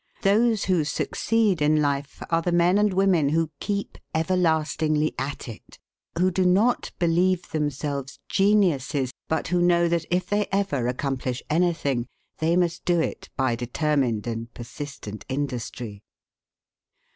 Those who succeed in life are the men and women who keep everlastingly at it, who do not believe themselves geniuses, but who know that if they ever accomplish anything they must do it by determined and persistent industry.